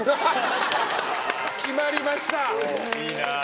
決まりました。